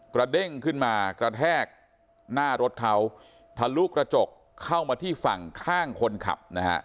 เด้งขึ้นมากระแทกหน้ารถเขาทะลุกระจกเข้ามาที่ฝั่งข้างคนขับนะฮะ